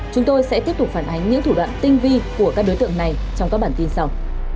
chúng tôi sẽ tiếp tục phản ánh những thủ đoạn tinh vi của các đối tượng này trong các bản tin sau